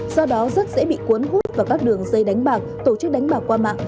do đó rất dễ bị cuốn hút vào các đường dây đánh bạc tổ chức đánh bạc qua mạng